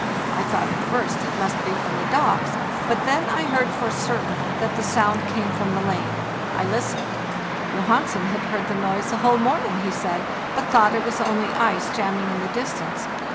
I thought at first it must be from the dogs, but then I heard for certain that the sound came from the lane. I listened. Johansen had heard the noise the whole morning, he said, but thought it was only ice Jamming in the distance.